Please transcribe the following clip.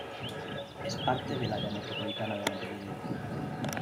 Es parte del área metropolitana de Montevideo.